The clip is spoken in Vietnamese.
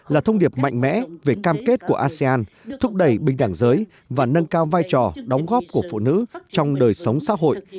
là thông điệp mạnh mẽ về cam kết của asean thúc đẩy bình đẳng giới và nâng cao vai trò đóng góp của phụ nữ trong đời sống xã hội